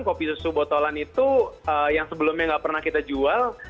kopi susu botolan itu yang sebelumnya nggak pernah kita jual